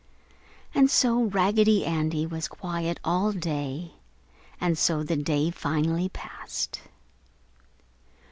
And so Raggedy Andy was quiet all day, and so the day finally passed.